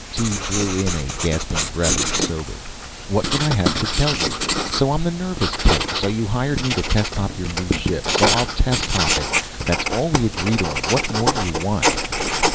Tee drew in a gasping breath and sobered. "What would I have to tell you? So I'm the nervous type. So you hired me to test hop your new ship. So I'll test hop it. That's all we agreed on. What more do you want?"